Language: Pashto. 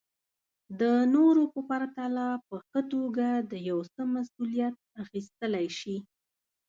د نورو په پرتله په ښه توګه د يو څه مسوليت اخيستلی شي.